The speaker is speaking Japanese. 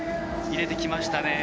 入れてきましたね。